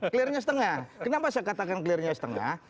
clearnya setengah kenapa saya katakan clearnya setengah